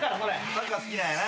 サッカー好きなんやな。